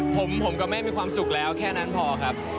ผมกับแม่มีความสุขแล้วแค่นั้นพอครับ